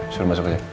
suruh masuk aja